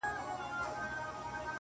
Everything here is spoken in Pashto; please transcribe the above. دوى ما اوتا نه غواړي-